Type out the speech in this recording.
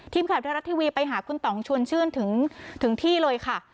ทีมขับที่รัททีวีไปหาคุณต๋องชวนชื่นถึงถึงที่เลยค่ะ